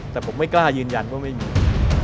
แต่ผมไม่กล้ายืนยันว่าไม่มี